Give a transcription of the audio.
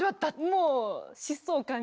もう疾走感に。